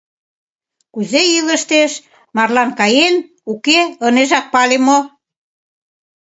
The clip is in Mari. Кузе илыштеш, марлан каен, уке — ынежак пале мо?